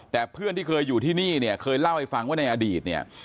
แต่เพื่อนที่เคยอยู่ที่นี่เนี่ยเคยเล่าให้ฟังว่าในอดีตเนี่ย